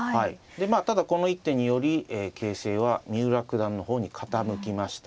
ただこの一手により形勢は三浦九段の方に傾きました。